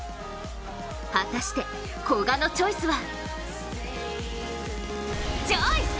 果たして、古賀のチョイスは？